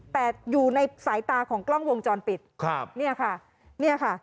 แต่อยู่ในสายตาของกล้องวงจรปิดครับเนี่ยค่ะเนี่ยค่ะ